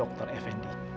dokter effendi nya kemana dok